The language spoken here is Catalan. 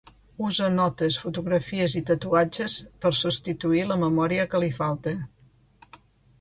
Usa notes, fotografies i tatuatges per substituir la memòria que li falta.